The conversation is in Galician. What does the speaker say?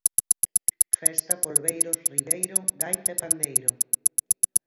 Festa, polbeiros, Ribeiro, gaita e pandeiro.